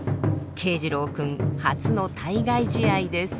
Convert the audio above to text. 慶士郎君初の対外試合です。